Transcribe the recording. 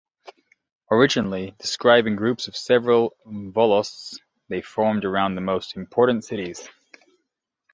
Originally describing groups of several volosts, they formed around the most important cities.